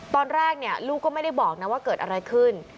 ตอนแรกลูกก็ไม่ได้บอกนะว่าเกิดอะไรขึ้น